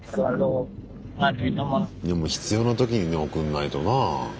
でも必要な時にね送んないとなあ。